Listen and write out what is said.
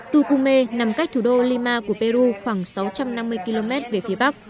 tukume nằm cách thủ đô lima của peru khoảng sáu trăm năm mươi km về phía bắc